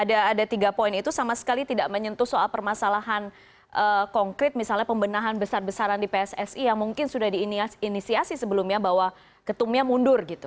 ada tiga poin itu sama sekali tidak menyentuh soal permasalahan konkret misalnya pembenahan besar besaran di pssi yang mungkin sudah diinisiasi sebelumnya bahwa ketumnya mundur gitu